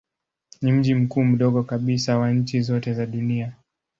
Ni mji mkuu mdogo kabisa wa nchi zote za dunia.